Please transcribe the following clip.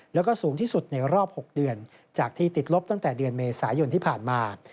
แล้วก็สูงที่สุดในรอบ๖เดือนจากที่ติดลบตั้งแต่เดือนเมษายนที่ผ่านมา